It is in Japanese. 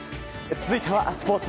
続いてはスポーツ。